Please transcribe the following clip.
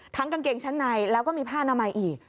กางเกงชั้นในแล้วก็มีผ้านามัยอีก